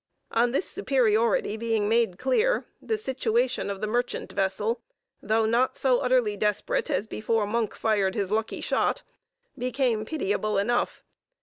On this superiority being made clear, the situation of the merchant vessel, though not so utterly desperate as before Monk fired his lucky shot, became pitiable enough.